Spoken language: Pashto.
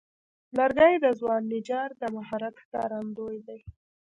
لرګی د ځوان نجار د مهارت ښکارندوی دی.